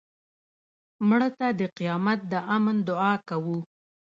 مړه ته د قیامت د امن دعا کوو